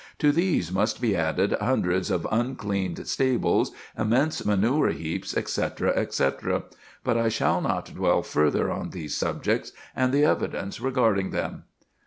To these must be added hundreds of uncleaned stables, immense manure heaps, etc., etc. But I shall not dwell further on these subjects, and the evidence regarding them.